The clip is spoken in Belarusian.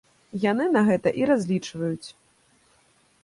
Яны на гэта і разлічваюць.